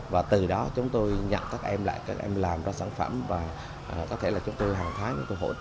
và từ đó chúng tôi nhận các em lại các em làm ra sản phẩm và có thể là chúng tôi hàng tháng cũng hỗ trợ thêm để các em có thể là thu nhập ra